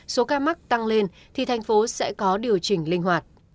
số ca mắc tăng lên thì thành phố sẽ có điều chỉnh linh hoạt